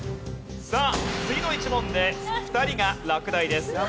さあ次の１問で２人が落第です。